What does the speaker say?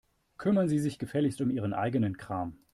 Kümmern Sie sich gefälligst um Ihren eigenen Kram.